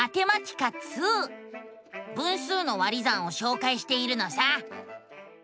分数の「割り算」をしょうかいしているのさ。